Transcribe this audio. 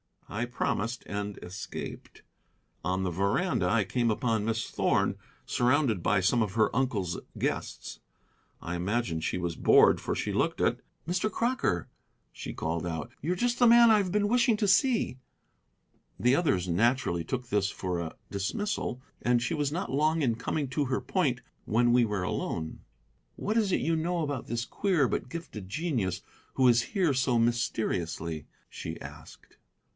I promised, and escaped. On the veranda I came upon Miss Thorn surrounded by some of her uncle's guests. I imagine that she was bored, for she looked it. "Mr. Crocker," she called out, "you're just the man I have been wishing to see." The others naturally took this for a dismissal, and she was not long in coming to her point when we were alone. "What is it you know about this queer but gifted genius who is here so mysteriously?" she asked.